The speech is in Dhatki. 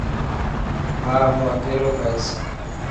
ها هون اڪيلو کائيس.